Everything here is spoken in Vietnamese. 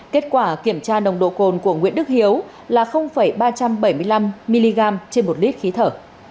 kết quả kiểm tra nồng độ cồn của nguyễn đức hiếu là ba trăm bảy mươi năm mg trên một lít khí thở